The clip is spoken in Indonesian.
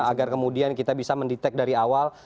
agar kemudian kita bisa mendetek dari awal